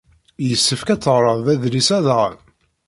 Yessefk ad teɣreḍ adlis-a daɣen.